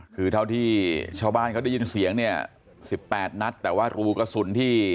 คือเท่าที่ชาวบ้านเขาได้ยินเสียงเนี่ย๑๘นัดแต่ว่ารูกระสุนที่